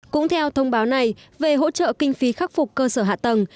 cũng theo thông báo này về hỗ trợ kinh phí khắc phục cơ sở hạ tầng